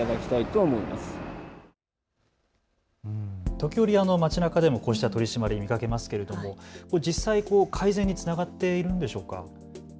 時折、町なかでもこうした取締り見かけますけれど実際、改善につながっているんでしょうか。